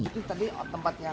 itu tadi tempat yang